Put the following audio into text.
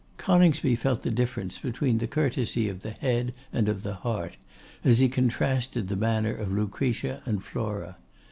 Coningsby felt the difference between the courtesy of the head and of the heart, as he contrasted the manner of Lucretia and Flora.